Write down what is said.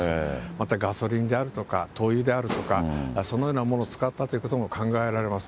またガソリンであるとか、灯油であるとか、そのようなものを使ったということも考えられます。